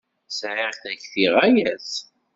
Sɛiɣ takti ɣaya-tt.